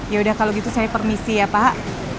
ya udah kalau gitu saya permisi ya pak